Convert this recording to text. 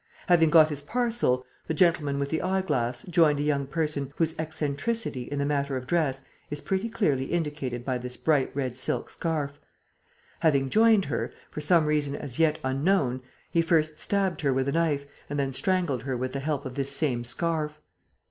Having got his parcel, the gentleman with the eyeglass joined a young person whose eccentricity in the matter of dress is pretty clearly indicated by this bright red silk scarf. Having joined her, for some reason as yet unknown he first stabbed her with a knife and then strangled her with the help of this same scarf.